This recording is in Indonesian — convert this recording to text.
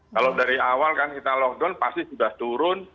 kalau dari awal kan kita lockdown pasti sudah turun